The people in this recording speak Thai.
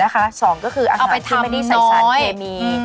๒อาหารที่ไม่ได้ใส่สารเคมี